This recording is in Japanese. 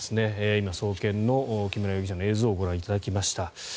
今、送検の木村容疑者の映像をご覧いただきました。